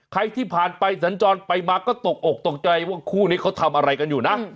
ใครที่ผ่านไปสัญจรไปมาก็ตกอกตกใจว่าคู่นี้เขาทำอะไรกันอยู่นะ